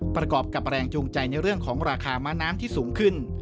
ประกอบกับแรงจูงใจในเรื่องของราคาม้าน้ำที่สูงขึ้น